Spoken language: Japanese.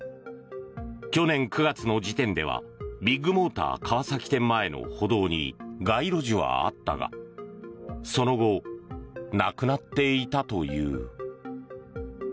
去年９月の時点ではビッグモーター川崎店前の歩道に街路樹はあったがその後、なくなっていたという。